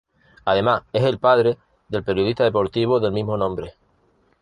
Además es el padre del periodista deportivo del mismo nombre.